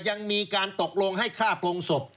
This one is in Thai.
ยังมีการตกลงให้คราบลงสบ